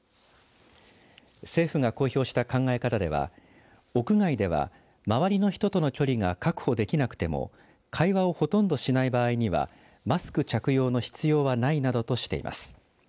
政府が公表した考え方では屋外では周りの人との距離が確保できなくても会話をほとんどしない場合にはマスク着用の必要はないなどとしています。